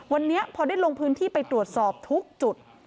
วันนี้พอได้ลงพื้นที่ไปตรวจสอบทุกจุด